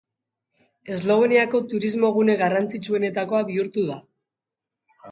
Esloveniako turismogune garrantzitsuenetakoa bihurtu da.